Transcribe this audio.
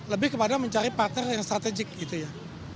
lebih kepada mencari partner yang strategik gitu ya